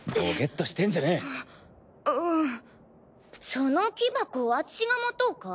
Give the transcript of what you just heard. その木箱あちしが持とうか？